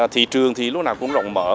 thị trường thì lúc nào cũng rộng mở